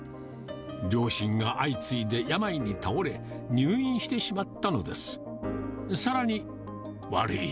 両親が相次いで病に倒れ、入院してしまったのです。